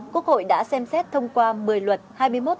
quốc hội đã xem xét thông qua một mươi luật